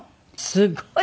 すごい。